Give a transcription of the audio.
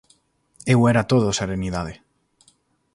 Eu era todo serenidade.